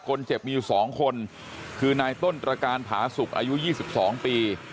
คนเจ็บมีอยู่๒คนคือนายต้นตรการผาสุกอายุ๒๒ปี